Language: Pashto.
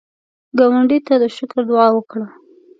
ګاونډي ته د شکر دعا وکړه